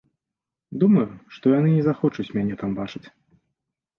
Думаю, што яны не захочуць мяне там бачыць.